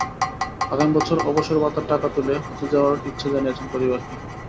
আগামী বছর অবসর ভাতার টাকা তুলে হজে যাওয়ার ইচ্ছা জানিয়েছিলেন পরিবারকে।